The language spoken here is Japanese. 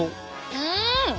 うん。